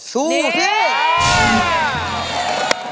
ชู้เพลง